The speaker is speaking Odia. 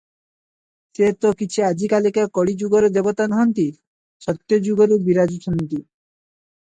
ସେ ତ କିଛି ଆଜିକାଲିକା କଳିଯୁଗର ଦେବତା ନୁହନ୍ତି ; ସତ୍ୟଯୁଗରୁ ବିରାଜୁଛନ୍ତି ।